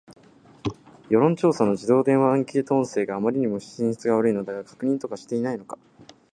世論調査の自動電話アンケート音声があまりにも品質悪いのだが、確認とかしていないのか